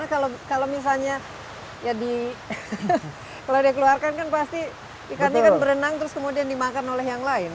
karena kalau misalnya ya dikeluarkan kan pasti ikannya kan berenang terus kemudian dimakan oleh yang lain